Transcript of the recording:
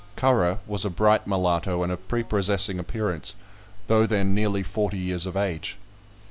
Currer was a bright mulatto, and of prepossessing appearance, though then nearly forty years of age.